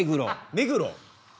目黒。